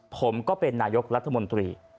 ผมก็เป็นนายกรัฐมนตรี